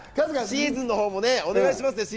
シーズンの方もお願いします。